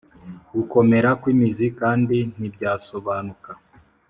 gukomera kw'imizi kandi ntibyasobanuka,